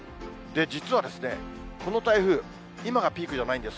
実はですね、この台風、今がピークじゃないんです。